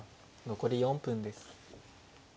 残り４分です。